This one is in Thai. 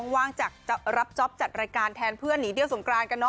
ว่างจากรับจ๊อปจัดรายการแทนเพื่อนหนีเที่ยวสงกรานกันเน